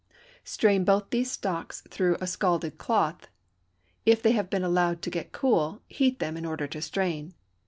Strain both these stocks through a scalded cloth. (If they have been allowed to get cool, heat them in order to strain.)